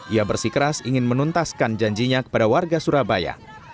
ia bersikeras ingin menuntaskan janjinya kepada warga surabaya